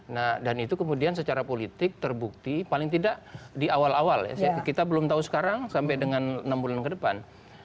nah dan itu kemudian secara politik terbukti paling tidak di awal awal ya kita belum tahu sekarang sampai dengan enam bulan ke depan